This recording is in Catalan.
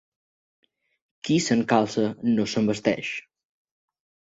Qui se'n calça no se'n vesteix.